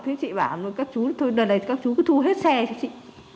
thế chị bảo các chú thôi đợi này các chú cứ thu hết xe cho chị